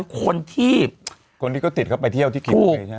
คนที่ก็ติดเข้าไปเที่ยวที่แข่ง